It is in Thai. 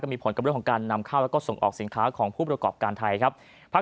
มีผลกับเรื่องของการนำเข้าแล้วก็ส่งออกสินค้าของผู้ประกอบการไทยครับ